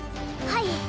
はい